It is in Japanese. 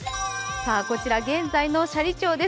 こちら、現在の斜里町です。